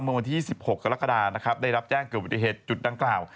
เมื่อวันที่๑๖กรกฎาได้รับแจ้งเกี่ยวกับวุติเหตุจุดดังกล่าว